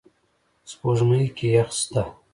سپوږمۍ کې یخ شته